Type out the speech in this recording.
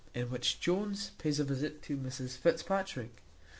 In which Jones pays a visit to Mrs Fitzpatrick.